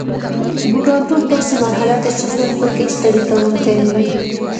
بوډاتوب داسې مرحله ده چې ژوند پکې ستړي کوونکی وي